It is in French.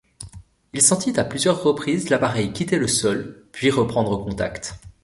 Il sentit à plusieurs reprises l'appareil quitter le sol, puis reprendre contact.